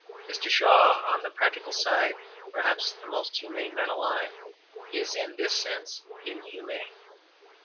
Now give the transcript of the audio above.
Mr. Shaw, on the practical side perhaps the most humane man alive, is in this sense inhumane.